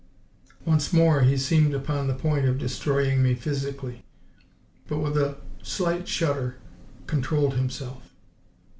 Once more he seemed upon the point of destroying me physically, but, with a slight shudder, controlled himself.